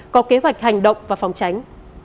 có kế hoạch hành động và phòng tránh